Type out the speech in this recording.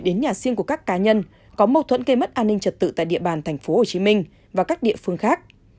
đến nhà riêng của các cá nhân có mâu thuẫn gây mất an ninh trật tự tại địa bàn tp hcm và các địa phương khác